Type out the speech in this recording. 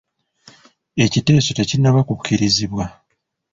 Ekiteeso tekinnaba kukkirizibwa.